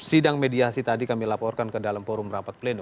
jadi sidang mediasi tadi kami laporkan ke dalam forum rapat pleno